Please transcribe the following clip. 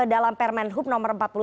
dalam permanent hub nomor empat puluh satu